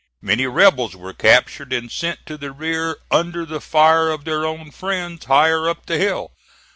Many rebels were captured and sent to the rear under the fire of their own friends higher up the hill.